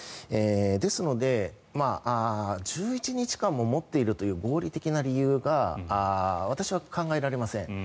ですので、１１日間も持っているという合理的な理由が私は考えられません。